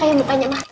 gak berubah ya tante